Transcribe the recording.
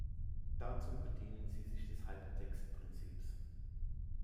Dazu bedienen sie sich des Hypertext-Prinzips.